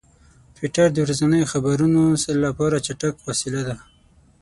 ټویټر د ورځنیو خبرونو لپاره چټک وسیله ده.